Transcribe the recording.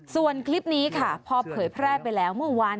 ส่วนคลิปนี้ค่ะพ่อเผยแพร่ไปแล้ว